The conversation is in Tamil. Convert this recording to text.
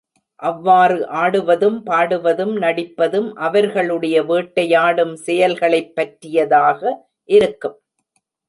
அவ்வாறு ஆடுவதும், பாடுவதும், நடிப்பதும் அவர்களுடைய வேட்டையாடும் செயல்களைப்பற்றியதாக இருக்கும்.